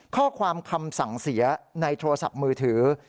ข้อความคำสั่งเสียในโทรศัพท์มือถือ